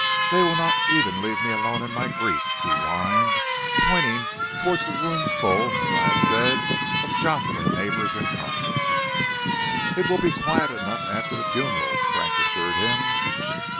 They will not even leave me alone in my grief," he whined, pointing towards the rooms full, as I have said, of jostling neighbors and gossips. "It will be quiet enough after the funeral," Frank assured him.